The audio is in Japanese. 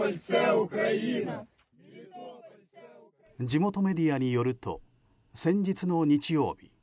地元メディアによると先日の日曜日